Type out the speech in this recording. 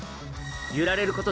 揺られること